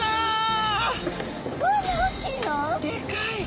でかい！